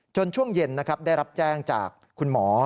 จนช่วงเย็นได้รับแจ้งจากคุณหมอ